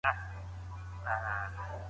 صحي خدمات باید ټولو ته په مساوي ډول ورسیږي.